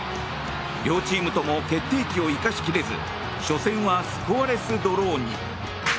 両チームとも決定機を生かし切れず初戦はスコアレスドローに。